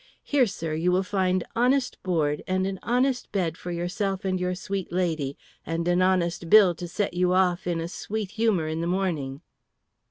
Here, sir, you will find honest board and an honest bed for yourself and your sweet lady, and an honest bill to set you off in a sweet humour in the morning."